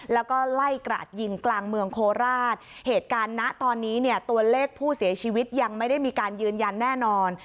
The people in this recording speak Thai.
แล้วก็ไล่กราดยิงกลางเมืองโคราชเหตุการณ์นะตอนนี้เนี่ยตัวเลขผู้เสียชีวิตยังไม่ได้มีการยืนยันแน่นอน